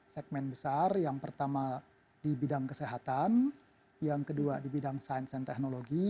segmen besar yang pertama di bidang kesehatan yang kedua di bidang sains dan teknologi